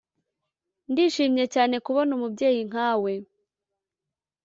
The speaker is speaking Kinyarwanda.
ndishimye cyane kubona umubyeyi nkawe,